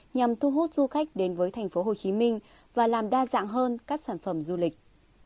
nhằm thu hút du khách đến với tp hcm và làm đa dạng hơn các sản phẩm du lịch